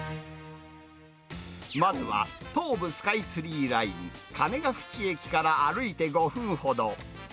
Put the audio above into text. まずは東武スカイツリーライン鐘ヶ淵駅から歩いて５分ほど。